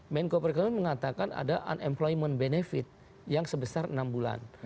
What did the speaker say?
menko perekonomian mengatakan ada unemployment benefit yang sebesar enam bulan